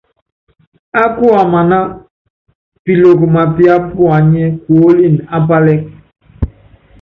Á buiamaná, Piloko mápiá puanyɛ́ kuólín á pálɛ́k.